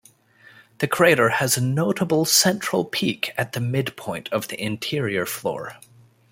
The crater has a notable central peak at the midpoint of the interior floor.